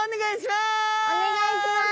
お願いします！